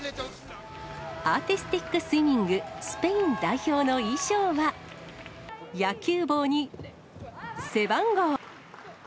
アーティスティックスイミング、スペイン代表の衣装が、野球帽に背番号。